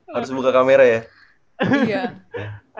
harus buka kamera ya